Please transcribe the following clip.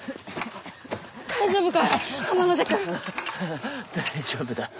大丈夫だ。